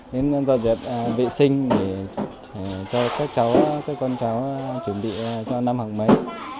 đến dọn dẹp vệ sinh để cho các con cháu chuẩn bị cho năm học mới